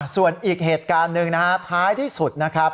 ส่วนอีกเหตุการณ์หนึ่งนะฮะท้ายที่สุดนะครับ